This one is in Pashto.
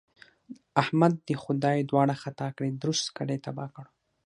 د احمد دې خدای دواړې خطا کړي؛ درست کلی يې تباه کړ.